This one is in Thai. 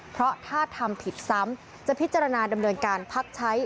เพราะถ้าทำผิดซ้ำจะพิจารณาดำเนินการพักใช้